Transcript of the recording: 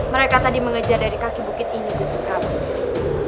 mereka tadi mengejar dari kaki bukit ini gusti prabu